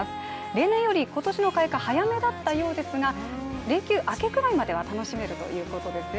例年より今年の開花早めだったそうですが、連休明けぐらいまでは楽しめるということですよ。